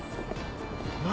何？